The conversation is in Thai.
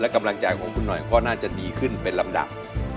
กำลังใจของคุณหน่อยก็น่าจะดีขึ้นเป็นลำดับ